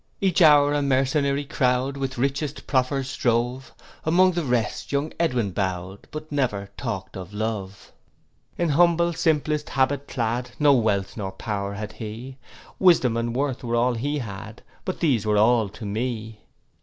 'Each hour a mercenary crowd, With richest proffers strove: Among the rest young Edwin bow'd, But never talk'd of love. 'In humble simplest habit clad, No wealth nor power had he; Wisdom and worth were all he had, But these were all to me.